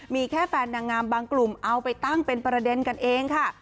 มีแค่แฟนนางงามบางกลุ่มเอาไปตั้งเป็นประเด็นกันเองค่ะ